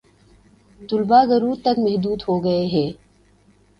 طلبا گھروں تک محدود ہو گئے ہیں